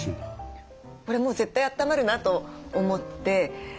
これもう絶対あったまるなと思って。